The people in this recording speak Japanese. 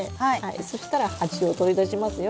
そしたら鉢を取り出しますよ。